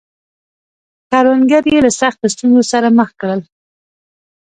کروندګر یې له سختو ستونزو سره مخ کړل.